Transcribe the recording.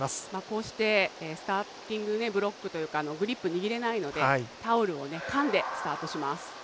こうしてスターティングブロックというかグリップ握れないのでタオルをかんでスタートします。